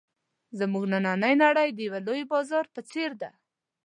زموږ نننۍ نړۍ د یوه لوی بازار په څېر ده.